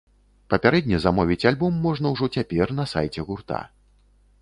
Папярэдне замовіць альбом можна ўжо цяпер на сайце гурта.